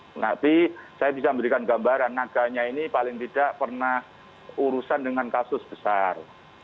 tapi saya bisa memberikan gambaran naganya ini paling tidak pernah urusan dengan kasus besar